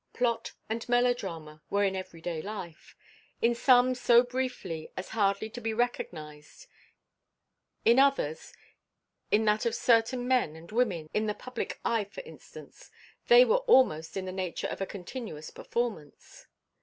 Plot and melodrama were in every life; in some so briefly as hardly to be recognized, in others in that of certain men and women in the public eye, for instance they were almost in the nature of a continuous performance.